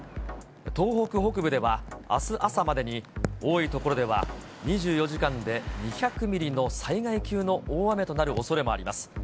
東北北部では、あす朝までに多い所では、２４時間で２００ミリの災害級の大雨となるおそれもあります。